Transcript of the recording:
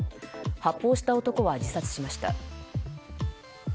発砲した男は自殺しました。